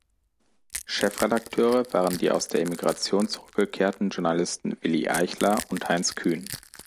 Chefredakteure waren die aus der Emigration zurückgekehrten Journalisten Willi Eichler und Heinz Kühn.